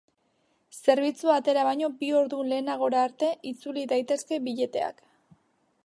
Zerbitzua atera baino bi ordu lehenagora arte itzuli daitezke bileteak.